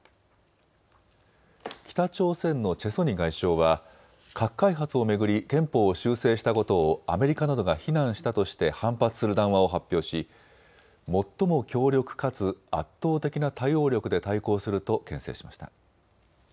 北朝鮮のチェ・ソニ外相は核開発を巡り憲法を修正したことをアメリカなどが非難したとして反発する談話を発表し最も強力かつ圧倒的な対応力で対抗するとけん制しました。